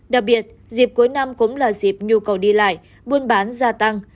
đặc biệt dịp cuối năm cũng là dịp nhu cầu đi lại buôn bán gia tăng